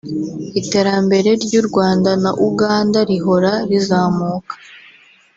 iterambere ry’u Rwanda na Uganda rihora rizamuka